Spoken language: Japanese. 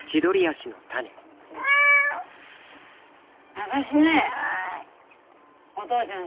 私ねお父ちゃん